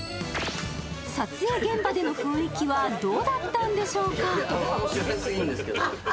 撮影現場での雰囲気はどうだったのでしょうか？